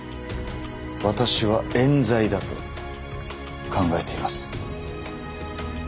私はえん罪だと考えています。